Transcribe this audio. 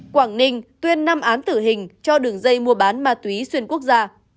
quảng ninh tuyên năm án tử hình cho đường dây mua bán ma túy xuyên quốc gia